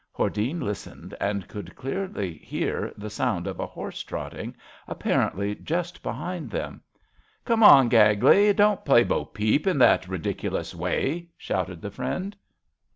Hordene listened and could clearly hear the sound of a horse trotting, ap parently just behind them* Come on, Gagley I Don't play bo peep in that ridiculous way," shouted the friend.